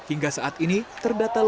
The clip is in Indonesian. hingga saat ini terdata